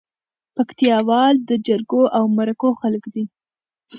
پکتياوال دي جرګو او مرکو خلک دي